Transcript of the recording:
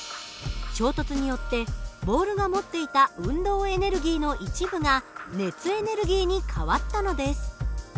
衝突によってボールが持っていた運動エネルギーの一部が熱エネルギーに変わったのです。